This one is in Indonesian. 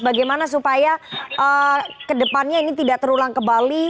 bagaimana supaya kedepannya ini tidak terulang kembali